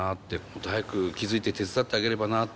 もっと早く気付いて手伝ってあげればなって。